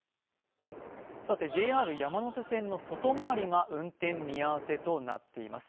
ＪＲ山手線の外回りが運転見合わせとなっています。